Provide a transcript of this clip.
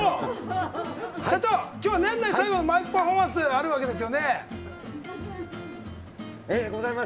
社長、今日は年内最後のマイクパフォーマンスがありますよ。